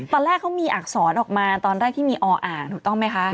ตอนแรกเขามีอักษรออกมาตอนแรกที่มีออ่านถูกต้องไหมคะ